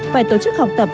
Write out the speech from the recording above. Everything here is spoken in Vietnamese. phải tổ chức học tập